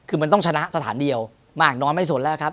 คือมันต้องชนะสถานเดียวมากน้อยไม่สนแล้วครับ